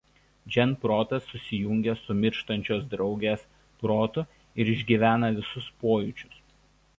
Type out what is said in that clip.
Jean protas susijungia su mirštančios draugės protu ir išgyvena visus pojūčius.